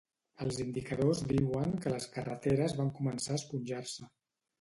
Els indicadors diuen que les carreteres van començar a esponjar-se.